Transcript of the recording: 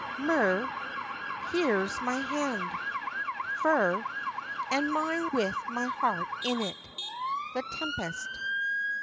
MIR. "Here's my hand." FER. "And mine with my heart in it." _The Tempest.